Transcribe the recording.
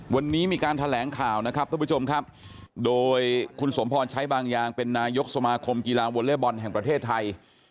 วันนี้มีการแถลงข่าวนะครับท่านผู้ชมครับโดยคุณสมพรใช้บางอย่างเป็นนายกสมาคมกีฬาวอเล็กบอลแห่งประเทศไทย